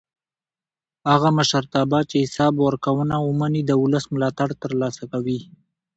هغه مشرتابه چې حساب ورکوونه ومني د ولس ملاتړ تر لاسه کوي